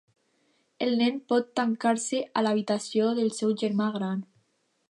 El nen pot tancar-se a l'habitació del seu germà gran.